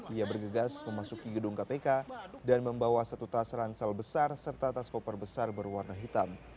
ia bergegas memasuki gedung kpk dan membawa satu tas ransel besar serta tas koper besar berwarna hitam